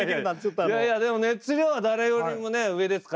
いやいやでも熱量は誰よりもね上ですから。